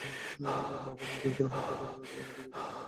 বাবা-মা জোর করে হাত-পা ধরে রাখলেও তার চিৎকার থামাতে পারছেন না।